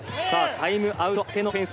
タイムアウト明けのオフェンス。